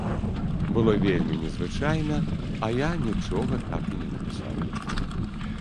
Было вельмі незвычайна, а я нічога так і не напісаў.